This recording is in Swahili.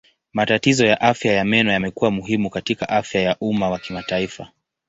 Matatizo ya afya ya meno yamekuwa muhimu katika afya ya umma ya kimataifa.